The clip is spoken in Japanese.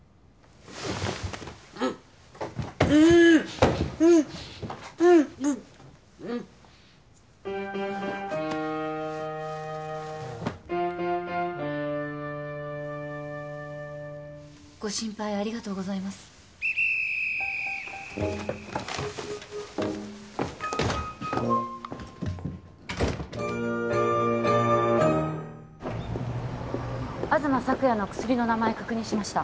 うっううううっうっご心配ありがとうございます東朔也の薬の名前確認しました